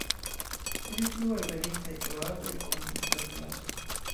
Pli frue alvenintaj kroatoj fondis la vilaĝon.